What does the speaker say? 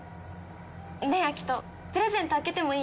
ねえアキトプレゼント開けてもいい？